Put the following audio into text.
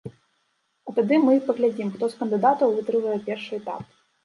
А тады мы і паглядзім, хто з кандыдатаў вытрывае першы этап.